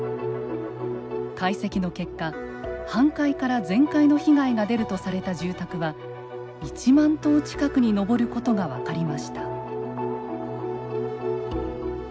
解析の結果半壊から全壊の被害が出るとされた住宅は１万棟近くに上ることが分かりました。